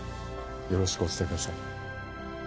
よろしくお伝えください